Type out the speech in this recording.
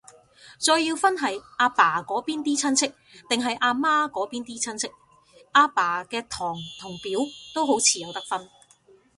再要分係阿爸嗰邊啲親戚，定阿媽嗰邊啲親戚，阿爸嘅堂同表都好似有得分